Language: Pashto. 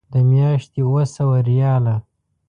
د میاشتې اوه سوه ریاله.